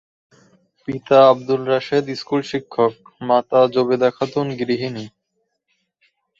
পিতা আবদুর রাশেদ স্কুল শিক্ষক, মাতা জোবেদা খাতুন গৃহিণী।